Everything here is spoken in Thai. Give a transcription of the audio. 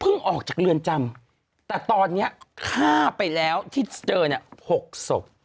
ออกจากเรือนจำแต่ตอนนี้ฆ่าไปแล้วที่เจอเนี่ย๖ศพ